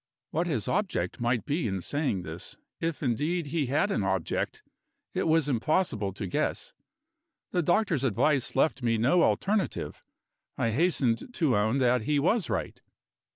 What his object might be in saying this if, indeed, he had an object it was impossible to guess. The doctor's advice left me no alternative; I hastened to own that he was right.